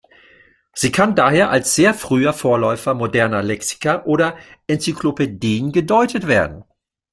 Sie kann daher als sehr früher Vorläufer moderner Lexika oder Enzyklopädien gedeutet werden.